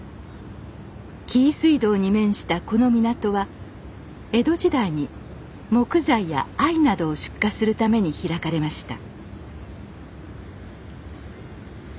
紀伊水道に面したこの港は江戸時代に木材や藍などを出荷するために開かれました